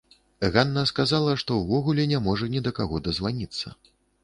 Ганна сказала, што ўвогуле не можа ні да каго дазваніцца.